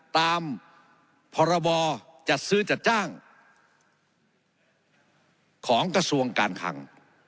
ตามพรบจัดซื้อจัดจ้างของกระทรวงการคัง